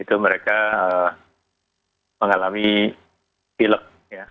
itu mereka yang mengalami pilep